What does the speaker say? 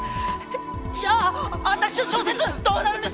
じゃあ私の小説どうなるんですか！？